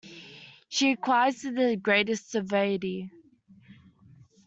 She acquiesced with the greatest suavity.